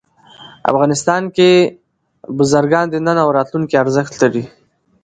افغانستان کې بزګان د نن او راتلونکي ارزښت لري.